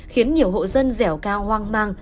khiến nhiều hộ dân dẻo cao hoang mang